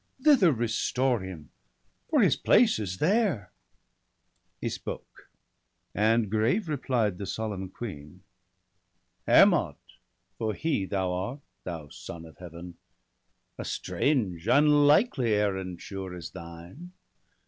Thither restore him, for his place is there !' He spoke ; and grave replied the solemn queen :—' Hermod, for he thou art, thou son of Heaven ! A strange unlikely errand, sure, is thine.